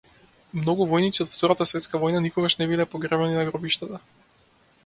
Многу војници од Втората светска војна никогаш не биле погребани на гробишта.